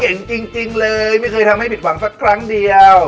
จริงเลยไม่เคยทำให้ผิดหวังสักครั้งเดียว